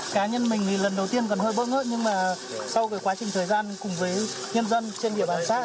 cá nhân mình thì lần đầu tiên còn hơi bơ ngỡ nhưng mà sau cái quá trình thời gian cùng với nhân dân trên địa bàn sát